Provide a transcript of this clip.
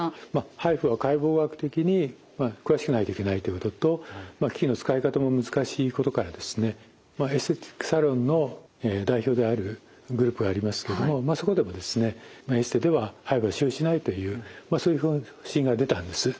ＨＩＦＵは解剖学的に詳しくないといけないということと機器の使い方も難しいことからエステティックサロンの代表であるグループがありますけどもそこでもエステではＨＩＦＵは使用しないというそういう指針が出たんです。